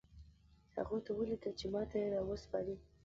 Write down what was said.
هغوی ته ولیکه چې ماته یې راوسپاري